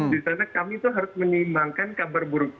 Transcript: di sana kami itu harus menimbangkan kabar buruk